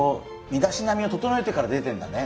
身だしなみを整えてから出てんだね。